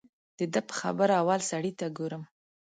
د ده په خبره اول سړي ته ګورم.